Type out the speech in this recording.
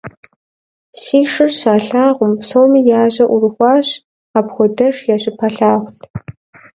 Си шыр щалъагъум, псоми я жьэр Ӏурыхуащ – апхуэдэш я щыпэлъагъут.